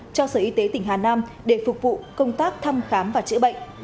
cho sở y tế tỉnh hà nam để phục vụ công tác thăm khám và chữa bệnh